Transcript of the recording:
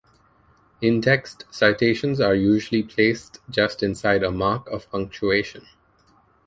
In-text citations are usually placed just inside a mark of punctuation.